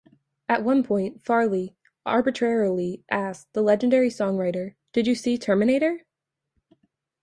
At one point, Farley arbitrarily asks the legendary songwriter, "Did you see "Terminator"?